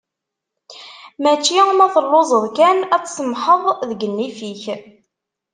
Mačči ma telluzeḍ kan ad tsemḥeḍ deg nnif-ik.